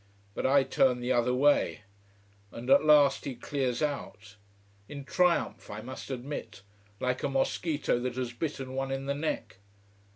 But I turn the other way. And at last he clears out: in triumph, I must admit: like a mosquito that has bitten one in the neck.